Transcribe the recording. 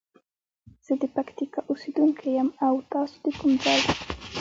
زه د پکتیکا اوسیدونکی یم او تاسو د کوم ځاي؟